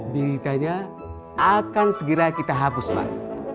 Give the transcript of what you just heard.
beritanya akan segera kita hapus pak